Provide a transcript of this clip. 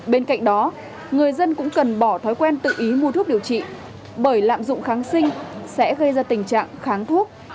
bên cạnh đó người dân cũng cần bỏ thói quen tự ý mua thuốc điều trị bởi lạm dụng kháng sinh sẽ gây ra tình trạng kháng thuốc